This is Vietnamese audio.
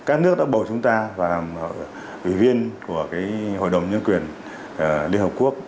các nước đã bầu chúng ta vào ủy viên của hội đồng nhân quyền liên hợp quốc